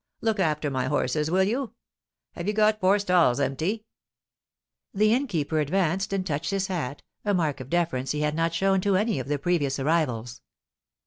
Look after my horses, will you ? Have you got four stalls empty ?* The innkeeper advanced and touched his hat, a mark of deference he had not shown to any of the previous arrivals.